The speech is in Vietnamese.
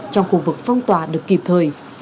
trong khu vực phong tỏa được kịp thời